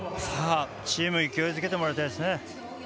チームを勢いづけてもらいたいですね。